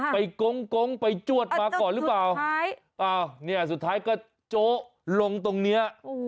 ไปก้งไปจวดมาก่อนหรือเปล่าสุดท้ายก็โจ๊ะลงตรงนี้